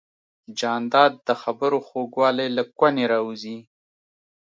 جانداد د خبرو خوږوالی له زړه راوزي.